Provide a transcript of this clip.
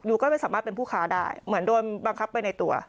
ก็ไม่สามารถเป็นผู้ค้าได้เหมือนโดนบังคับไปในตัว